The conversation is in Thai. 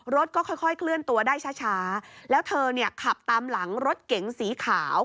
รถก็ค่อยเคลื่อนตัวได้ช้าแล้วเธอเนี่ยขับตามหลังรถเก๋งสีขาว